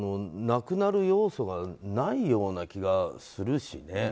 なくなる要素がないような気がするしね。